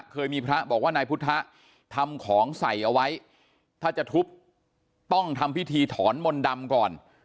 เคยมีพระบอกว่านายพุทธทำของใส่เอาไว้ถ้าจะทุบต้องทำพิธีถอนมนต์ดำก่อน